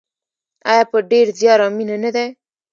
آیا په ډیر زیار او مینه نه دی؟